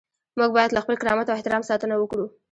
موږ باید له خپل کرامت او احترام ساتنه وکړو.